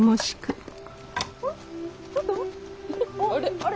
あれ？